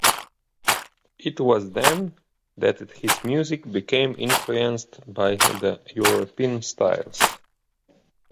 It was then that his music became influenced by the European styles.